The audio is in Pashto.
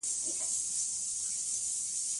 مېله د خوشحالۍ هغه لحظه ده، چي تل په یاد پاته کېږي.